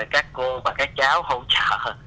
các cô và các cháu hỗ trợ